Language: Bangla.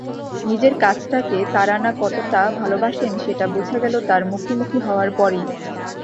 নিজের কাজটাকে তারানা কতটা ভালোবাসেন সেটা বোঝা গেল তাঁর মুখোমুখি হওয়ার পরই।